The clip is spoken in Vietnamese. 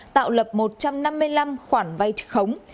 tạo lập một trăm năm mươi năm khoản vay khống